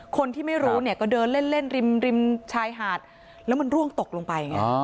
คนที่ไม่รู้เนี่ยก็เดินเล่นริมริมชายหาดแล้วมันร่วงตกลงไปไง